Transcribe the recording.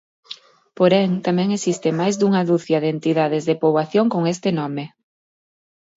Porén, tamén existe máis dunha ducia de entidades de poboación con este nome.